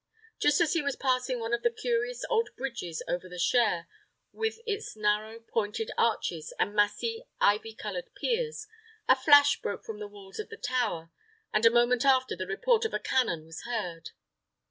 Just as he was passing one of the curious old bridges over the Cher, with its narrow, pointed arches, and massy, ivy covered piers, a flash broke from the walls of the tower, and a moment after the report of a cannon was heard.